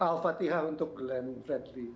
al fatiha untuk glenn bradley